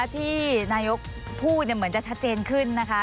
ที่นายกพูดเหมือนจะชัดเจนขึ้นนะคะ